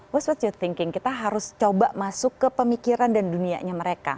what youth thinking kita harus coba masuk ke pemikiran dan dunianya mereka